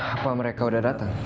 apa mereka datang